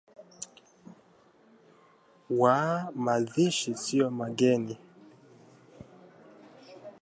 wa mazishi sio mageni